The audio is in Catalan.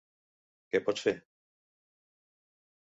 Què pots fer?